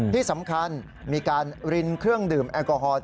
ที่สำคัญมีการรินเครื่องดื่มแอลกอฮอล์